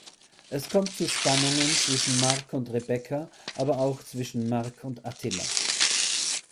Es kommt zu Spannungen zwischen Mark und Rebecca, aber auch zwischen Mark und Attila.